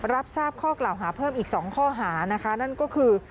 รับทราบข้อกล่าวหาเพิ่มอีก๒ข้อหานะคะนั่นก็คือ